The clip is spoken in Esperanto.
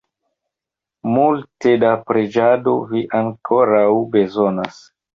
Multe da preĝado vi ankoraŭ bezonas!